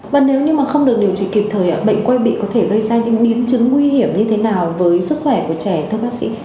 và nếu như mà không được điều trị kịp thời bệnh quay bị có thể gây ra những biến chứng nguy hiểm như thế nào với sức khỏe của trẻ thơ bác sĩ